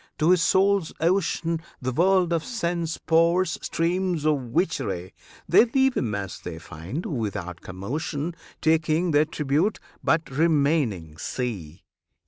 to his soul's ocean The world of sense pours streams of witchery; They leave him as they find, without commotion, Taking their tribute, but remaining sea.